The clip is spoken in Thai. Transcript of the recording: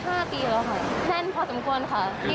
ห้าปีแล้วค่ะแน่นพอสมควรค่ะ